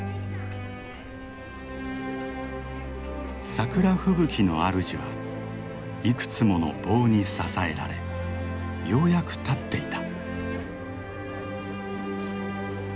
桜吹雪のあるじはいくつもの棒に支えられようやく立っていた。